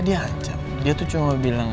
di sisi dia bisa bisa